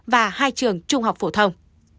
và hai trường trung học phổ thông